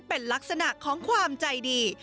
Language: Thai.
เป็นลักษณะของความใจดี